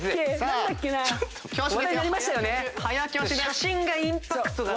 写真がインパクトが。